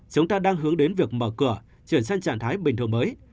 chúng ta đang hướng đến việc mở cửa chuyển sang trạng thái bình thường mới